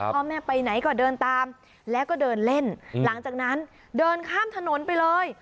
พ่อแม่ไปไหนก็เดินตามแล้วก็เดินเล่นหลังจากนั้นเดินข้ามถนนไปเลย